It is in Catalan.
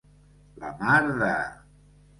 La mar de.